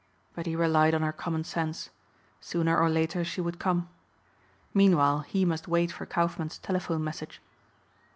But he relied on her common sense. Sooner or later she would come. Meanwhile he must wait for Kaufmann's telephone message.